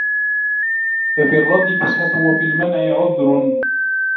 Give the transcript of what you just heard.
فَفِي الرَّدِّ فُسْحَةٌ وَفِي الْمَنْعِ عُذْرٌ